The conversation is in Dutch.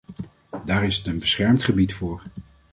Daar is het een beschermd gebied voor.